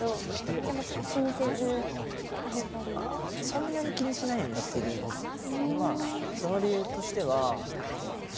そんなに気にしないようにしてるんですよね。